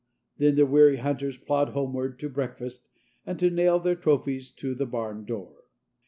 Then the weary hunters plod homeward to breakfast and to nail their trophies to the barn door.